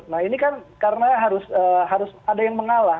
nah ini kan karena harus ada yang mengalah